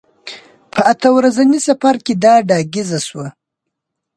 په اته ورځني سفر کې دا ډاګیزه شوه.